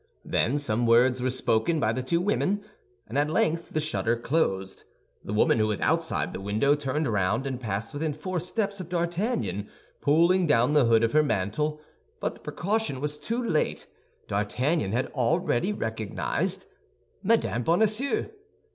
Then some words were spoken by the two women. At length the shutter closed. The woman who was outside the window turned round, and passed within four steps of D'Artagnan, pulling down the hood of her mantle; but the precaution was too late, D'Artagnan had already recognized Mme. Bonacieux.